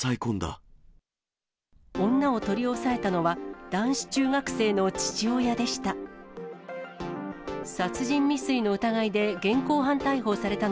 女を取り押さえたのは、男子中学生の父親でした。